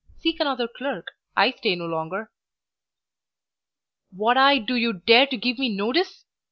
Seek another clerk. I stay no longer." "What! do you dare to give me notice?